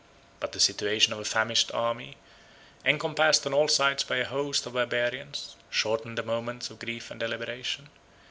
But the situation of a famished army, encompassed on all sides by a host of Barbarians, shortened the moments of grief and deliberation.